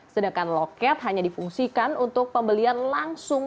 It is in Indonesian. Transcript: sedangkan loket hanya difungsikan untuk pembelian langsung